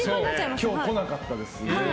今日、来なかったですね。